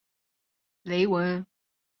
在公会高级成员雷文。